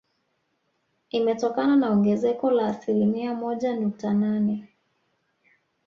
Imetokana na ongezeko la asilimia moja nukta nane